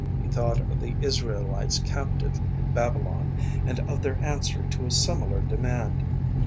He thought of the Israelites captive in Babylon, and of their answer to a similar demand.